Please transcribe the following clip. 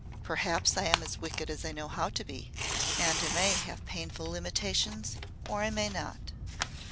"Perhaps I am as wicked as I know how to be. And I may have painful limitations or I may not."